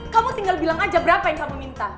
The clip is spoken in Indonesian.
kamu tinggal bilang aja berapa yang kamu minta